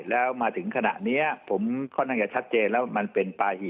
แล้วมาถึงขณะนี้ผมค่อนข้างจะชัดเจนแล้วมันเป็นปาหิ